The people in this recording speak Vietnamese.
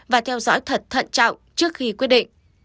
và theo dõi thật thận trọng trước khi quyết định